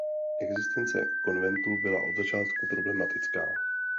Existence konventu byla od začátku problematická.